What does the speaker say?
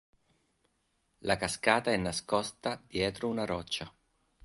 La cascata è nascosta dietro una roccia.